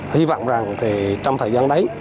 hy vọng rằng trong thời gian đấy